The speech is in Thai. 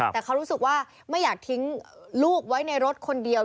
แต่เขารู้สึกว่าไม่อยากทิ้งลูกไว้ในรถคนเดียว